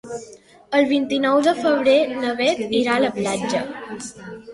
El vint-i-nou de febrer na Bet irà a la platja.